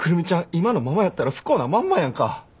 今のままやったら不幸なまんまやんか。